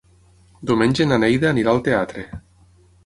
Diumenge na Neida anirà al teatre.